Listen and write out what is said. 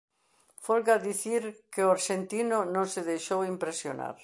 Folga dicir que o arxentino non se deixou impresionar.